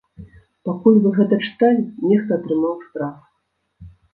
Пакуль вы гэта чыталі, нехта атрымаў штраф!